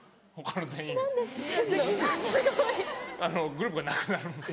グループがなくなるんです。